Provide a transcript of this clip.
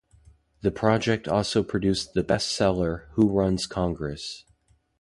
The Project also produced the best seller Who Runs Congress.